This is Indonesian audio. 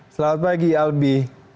selamat pagi albi